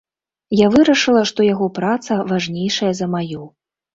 Я вырашыла, што яго праца важнейшая за маю.